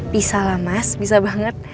bisa lah mas bisa banget